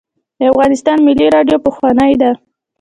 د افغانستان ملي راډیو پخوانۍ ده